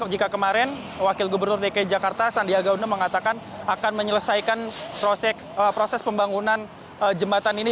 jika kemarin wakil gubernur dki jakarta sandiaga uno mengatakan akan menyelesaikan proses pembangunan jembatan ini